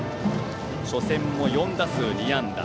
初戦も４打数２安打。